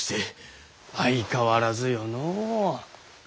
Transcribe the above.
相変わらずよのう。